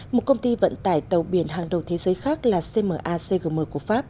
một công ty vận tải tàu biển hàng đầu thế giới khác là cmacgm của pháp